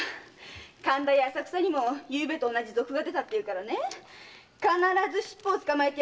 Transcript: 神田や浅草にもゆうべと同じ賊が出たっていうからね必ず尻尾を捕まえてやるんだ。